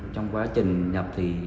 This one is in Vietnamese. trong quá trình nhập